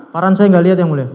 farhan saya gak lihat yang mulia